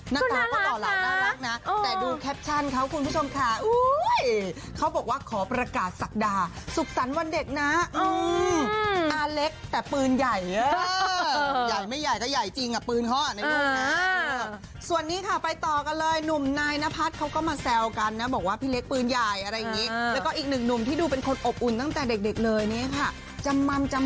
น่ารักน่ะแต่ดูแคปชั่นเขาคุณผู้ชมค่ะอุ้ยเขาบอกว่าขอประกาศสักดาสุขสรรค์วันเด็กนะ